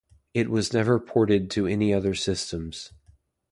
It was never ported to any other systems.